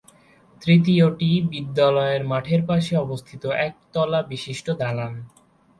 তৃতীয়টি বিদ্যালয়ের মাঠের পাশে অবস্থিত একতলা বিশিষ্ট দালান।